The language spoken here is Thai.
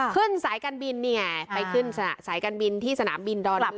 สายการบินนี่ไงไปขึ้นสายการบินที่สนามบินดอนลำ